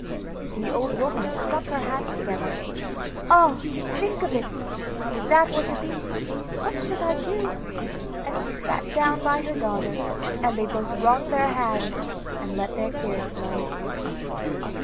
The old woman struck her hands together: 'Ah, to think of it! if that were to be, what should I do?' and she sat down by her daughter, and they both wrung their hands and let their tears flow.